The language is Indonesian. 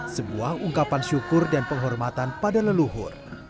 sebuah ungkapan syukur dan penghormatan pada leluhur